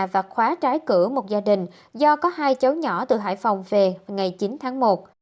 và khóa trái cửa một gia đình do có hai cháu nhỏ từ hải phòng về ngày chín tháng một